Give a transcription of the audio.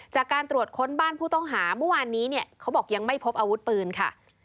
จากการตรวจค้นบ้านผู้ต้องหาเมื่อวานนี้เนี่ยเขาบอกยังไม่พบอาวุธปืนค่ะ